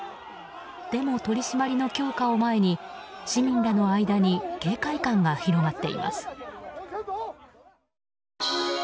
でも取り締まりの強化を前に市民らの間に警戒感が広がっています。